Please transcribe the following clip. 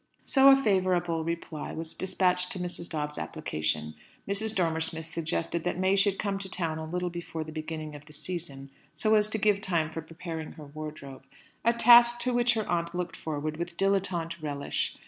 So a favourable reply was dispatched to Mrs. Dobbs's application. Mrs. Dormer Smith suggested that May should come to town a little before the beginning of the season, so as to give time for preparing her wardrobe a task to which her aunt looked forward with dilettante relish.